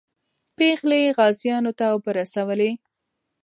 پېغلې غازیانو ته اوبه رسولې.